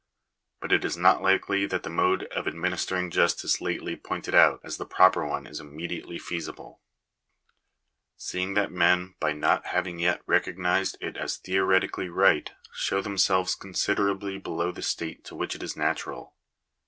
But it is not likely that the mode of administering justice lately pointed out as the proper one is immediately feasible ; seeing that men, by not having yet even recognised it as theoretically right, show themselves considerably below the state to which it is natural.